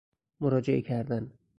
مراجعه کردن